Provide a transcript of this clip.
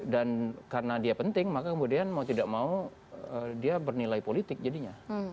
dan karena dia penting maka kemudian mau tidak mau dia bernilai politik jadinya